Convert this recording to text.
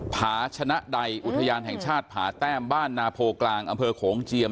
ผาชนะใดอุทยานแห่งชาติผาแต้มบ้านนาโพกลางอำเภอโขงเจียม